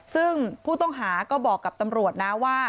ซึ่งผู้ต้องหาก็บอกกับตำรวจนะว่า